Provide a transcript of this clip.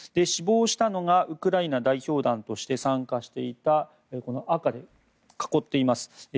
死亡したのがウクライナ代表団として参加していた赤で囲っています